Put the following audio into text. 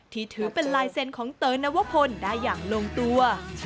ถือเป็นลายเซ็นต์ของเต๋อนวพลได้อย่างลงตัว